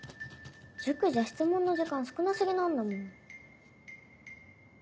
塾じゃ質問の時間少な過ぎなんだもん。